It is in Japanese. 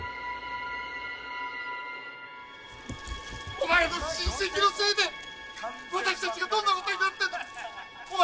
お前の親戚のせいで私たちがどんな事になってるかお前